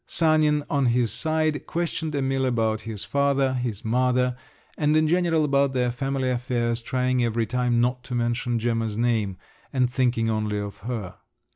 Sanin, on his side, questioned Emil about his father, his mother, and in general about their family affairs, trying every time not to mention Gemma's name—and thinking only of her.